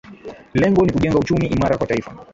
Lengo ni kujenga uchumi imara kwa Taifa